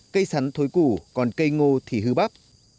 cây sắn thối củ còn cây ngô thì hư bắp